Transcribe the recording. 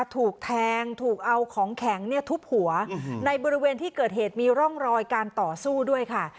ถูกแทงถูกเอาของแข็งเนี่ยทุบหัวในบริเวณที่เกิดเหตุมีร่องรอยการต่อสู้ด้วยค่ะ